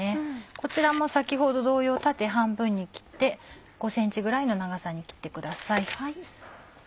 こちらも先ほど同様縦半分に切って５ｃｍぐらいの長さに切ってください。